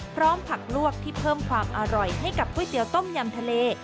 ผักลวกที่เพิ่มความอร่อยให้กับก๋วยเตี๋ยต้มยำทะเล